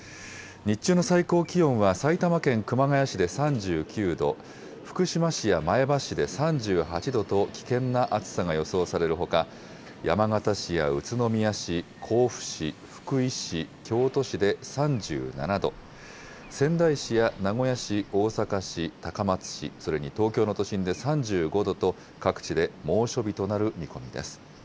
日中の最高気温は、埼玉県熊谷市で３９度、福島市や前橋市で３８度と、危険な暑さが予想されるほか、山形市や宇都宮市、甲府市、福井市、京都市で３７度、仙台市や名古屋市、大阪市、高松市、それに東京の都心で３５度と、各地で猛暑日となる見込みです。